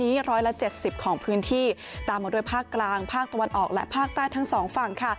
นี้ร้อยละเจ็ดสิบของพื้นที่ตามมาด้วยภาคกลางภาคตะวันออกและภาคใต้ทั้งสองฝั่งค่ะ